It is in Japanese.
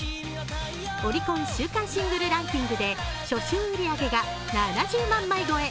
オリコン週間シングルランキングで初週売り上げが７０万枚超え。